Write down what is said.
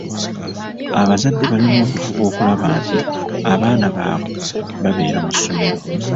Abazadde balina okufuba okulaba nti abaana babwe babeera mu ssomero.